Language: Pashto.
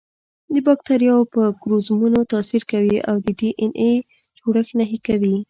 د باکتریاوو په کروموزومونو تاثیر کوي او د ډي این اې جوړښت نهي کوي.